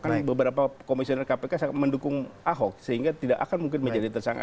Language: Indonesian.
karena beberapa komisioner kpk sangat mendukung ahok sehingga tidak akan mungkin menjadi tersangka